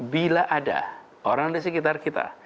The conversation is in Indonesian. bila ada orang di sekitar kita